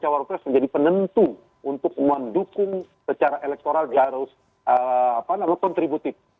tapi kalau capres menjadi penentu untuk mendukung secara elektoral dia harus kontributif